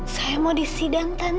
saya mau disidang tante